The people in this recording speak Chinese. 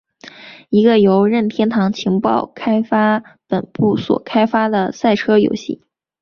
是一个由任天堂情报开发本部所开发的赛车游戏。